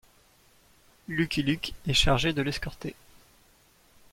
Lucky Luke est chargé de l'escorter.